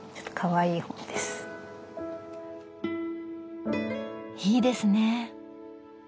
いいですねえ。